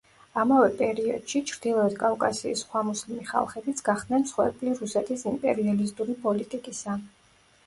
ამავე პერიოდში, ჩრდილოეთ კავკასიის სხვა მუსლიმი ხალხებიც გახდნენ მსხვერპლი რუსეთის იმპერიალისტური პოლიტიკისა.